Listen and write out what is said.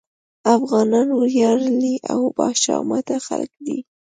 افغانان وياړلي او باشهامته خلک دي.